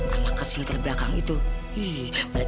aduh aduh aduh